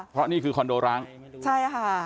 เพราะนี่คือคอนโดร้างใช่ค่ะ